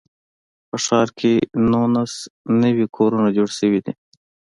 په ښار کې نولس نوي کورونه جوړ شوي دي.